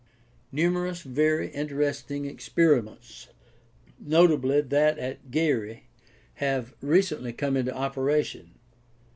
Numerous very interesting experiments, notably that at Gary, have recently come into operation.